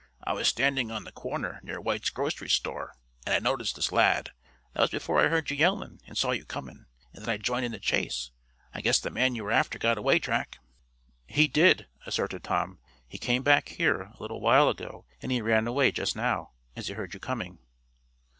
"I was standing on the corner, near White's grocery store, and I noticed this lad. That was before I heard you yelling, and saw you coming, and then I joined in the chase. I guess the man you were after got away, Track." "He did," asserted Tom. "He came back here, a little while ago, and he ran away just now, as he heard you coming."